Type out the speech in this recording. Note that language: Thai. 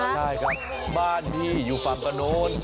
ใช่ครับบ้านพี่อยู่ฝั่งกระโน้น